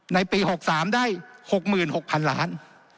ในปี๖๓ได้๖๖๐๐๐ล้าน